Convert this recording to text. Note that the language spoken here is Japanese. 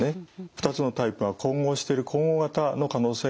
２つのタイプが混合している混合型の可能性があります。